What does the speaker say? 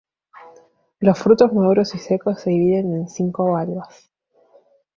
Los frutos maduros y secos se dividen en cinco valvas.